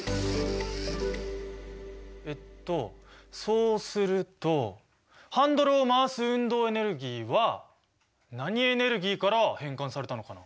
えっとそうするとハンドルを回す運動エネルギーは何エネルギーから変換されたのかな？